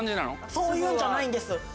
そういうんじゃないんです。